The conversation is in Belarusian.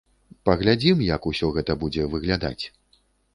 Паглядзім, як усё гэта будзе выглядаць.